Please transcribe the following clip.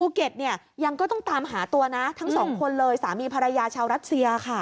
เนี่ยยังก็ต้องตามหาตัวนะทั้งสองคนเลยสามีภรรยาชาวรัสเซียค่ะ